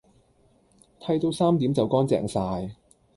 剃到三點就乾淨曬